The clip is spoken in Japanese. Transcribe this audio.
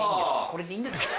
これでいいんです。